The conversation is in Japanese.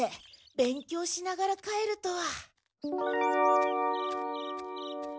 勉強しながら帰るとは。